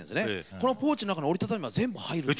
このポーチの中に折り畳めば全部入るんです。